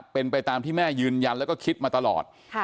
เป็นไปตามที่แม่ยืนยันแล้วก็คิดมาตลอด